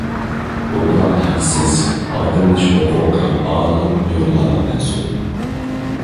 بۇ پىلان ھەقسىز، پايدىلىنىش ھوقۇقى بارلىق ئۇيغۇرلارغا مەنسۇپ.